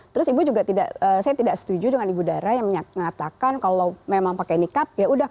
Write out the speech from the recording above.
terus ibu juga tidak